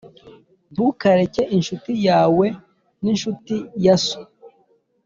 ntukareke incuti yawe n’incuti ya so